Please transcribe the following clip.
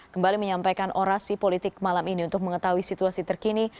kembali menyampaikan orasi politik malam ini untuk mengetahui situasi terkini